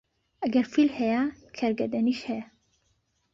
ئەگەر فیل هەیە، کەرگەدەنیش هەیە